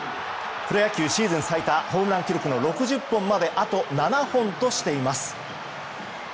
プロ野球シーズン最多ホームラン記録の６０本まであと７本としています。